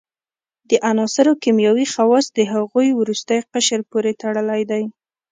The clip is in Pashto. د عناصرو کیمیاوي خواص د هغوي وروستي قشر پورې تړلی دی.